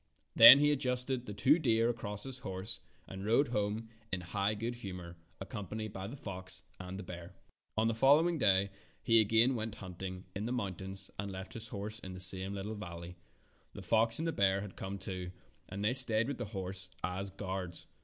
Then he adjusted the two deer across his horse and rode home in high good humor, accompanied by the fox and the bear. On the following day he again went hunt ing in the mountains and left his horse in the same little valley. The fox and the bear had come too, and they stayed with the horse as guards.